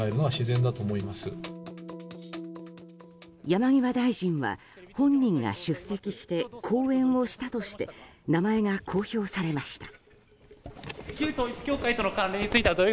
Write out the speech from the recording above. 山際大臣は、本人が出席して講演をしたとして名前が公表されました。